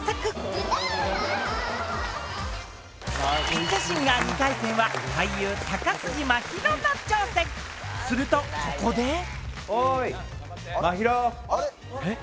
やったピッタシンガー２回戦は俳優・高杉真宙の挑戦するとここでえっ？